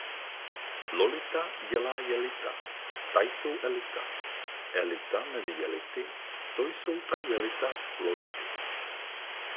Lolita dělá jelita, ta jsou elita. Elita mezi jelity, to jsou ta jelita Lolity.